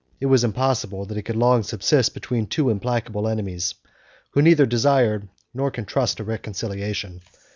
It was impossible that it could long subsist between two implacable enemies, who neither desired nor could trust a reconciliation.